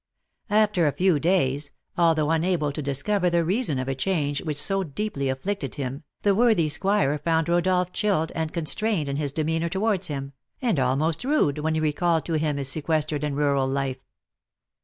After a few days, although unable to discover the reason of a change which so deeply afflicted him, the worthy squire found Rodolph chilled and constrained in his demeanour towards him, and almost rude when he recalled to him his sequestered and rural life.